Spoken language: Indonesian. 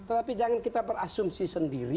tetapi jangan kita berasumsi sendiri